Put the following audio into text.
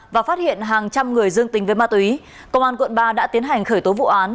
và phát hiện hàng trăm người dương tính với ma túy công an quận ba đã tiến hành khởi tố vụ án